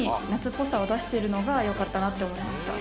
っぽさを出してるのがよかったなって思いました。